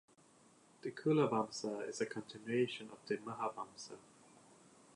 The Culavamsa is a continuation of the Mahavamsa.